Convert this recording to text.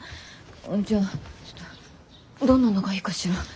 じゃあどんなのがいいかしら。